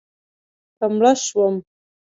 که مړه شوم